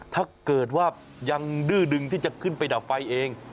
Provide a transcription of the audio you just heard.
ถ้าเกิดว่ายังดื้อดึงที่จะขึ้นไปดับไฟเอง